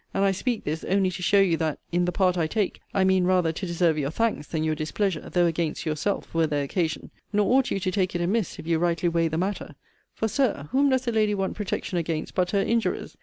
And I speak this, only to show you that, in the part I take, I mean rather to deserve your thanks than your displeasure, though against yourself, were there occasion. Nor ought you take it amiss, if you rightly weigh the matter: For, Sir, whom does a lady want protection against but her injurers?